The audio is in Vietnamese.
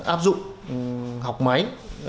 áp dụng học máy